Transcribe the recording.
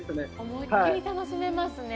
思いっきり楽しめますね！